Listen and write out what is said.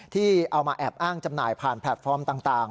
ที่เอามาแอบอ้างจำหน่ายผ่านแพลตฟอร์มต่าง